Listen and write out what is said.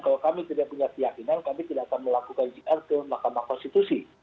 kalau kami tidak punya keyakinan kami tidak akan melakukan jr ke mahkamah konstitusi